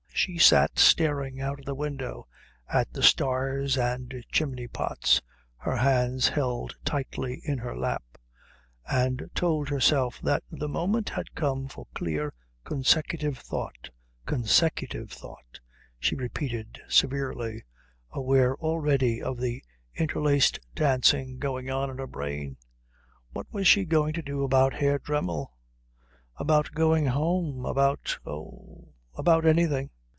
She sat staring out of the window at the stars and chimney pots, her hands held tightly in her lap, and told herself that the moment had come for clear, consecutive thought consecutive thought, she repeated severely, aware already of the interlaced dancing going on in her brain. What was she going to do about Herr Dremmel? About going home? About oh, about anything?